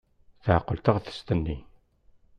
Teɛqel taɣtest-nni.